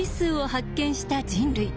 発見した人類。